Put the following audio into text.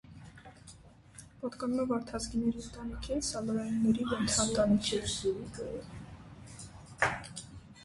Պատկանում է վարդազգիների ընտանիքին սալորայինների ենթաընտանիքին։